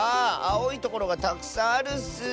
あおいところがたくさんあるッス。